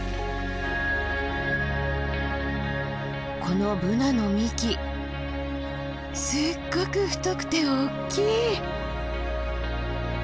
このブナの幹すっごく太くて大きい！